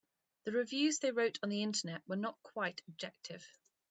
The reviews they wrote on the Internet were not quite objective.